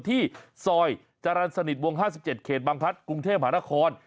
ที่ซอยจรรย์สนิทวง๕๗เขตบางพัฒน์กรุงเทพหานคร